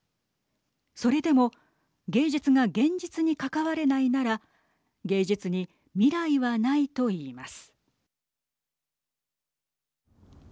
それでも芸術が現実に関われないなら芸術に未来はないと言います。